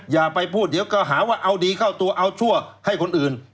อย่าไปพูดเดี๋ยวก็หาว่าเอาดีเข้าตัวเอาชั่วให้คนอื่น